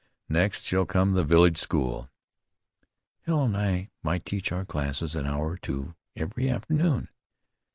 Next shall come the village school." "Helen and I might teach our classes an hour or two every afternoon."